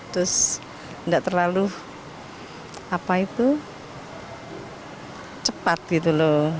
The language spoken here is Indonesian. terus nggak terlalu apa itu cepat gitu loh